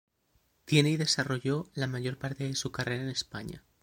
Tiene y desarrolló la mayor parte de su carrera en España.